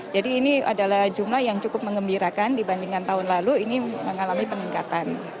jadi ini adalah jumlah yang cukup mengembirakan dibandingkan tahun lalu ini mengalami peningkatan